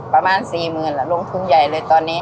ประมาณสี่หมื่นละลงทุ่งใหญ่ตอนนี้